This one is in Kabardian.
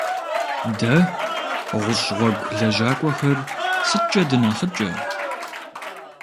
Дэ, гъущӏ гъуэгу лэжьакӏуэхэр, сыткӏэ дынэхъыкӏэ?